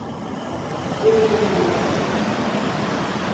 O comunismo